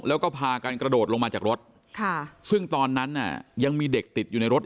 แล้วก็พากันกระโดดลงมาจากรถค่ะซึ่งตอนนั้นยังมีเด็กติดอยู่ในรถ